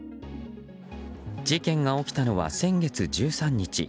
事件が起きたのは先月１３日。